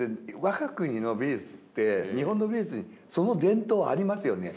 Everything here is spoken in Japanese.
我が国の美術って日本の美術にその伝統はありますよね。